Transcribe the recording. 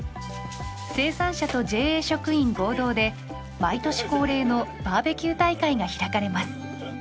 生産者とＪＡ職員合同で毎年恒例のバーベキュー大会が開かれます。